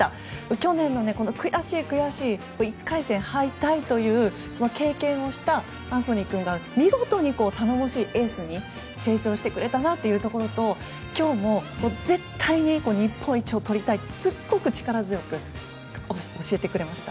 去年の悔しい悔しい１回戦敗退という経験をしたアンソニー君が見事に頼もしいエースに成長してくれたなというところと今日も絶対に日本一をとりたいってすごく力強く教えてくれました。